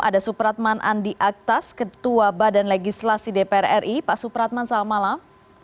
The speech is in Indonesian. ada supratman andi aktas ketua badan legislasi dpr ri pak supratman selamat malam